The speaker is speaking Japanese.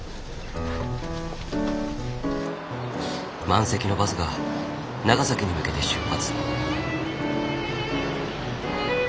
満席のバスが長崎に向けて出発。